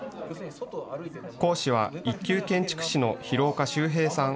講師は一級建築士の廣岡周平さん。